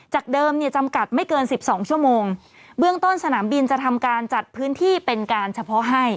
เดิมเนี่ยจำกัดไม่เกินสิบสองชั่วโมงเบื้องต้นสนามบินจะทำการจัดพื้นที่เป็นการเฉพาะให้